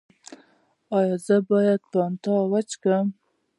ایا زه باید فانټا وڅښم؟